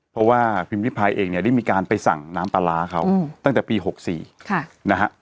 เพราะว่าพิมพิพายเองเนี่ยได้มีการไปสั่งน้ำปลาร้าเขาตั้งแต่ปี๖๔นะฮะ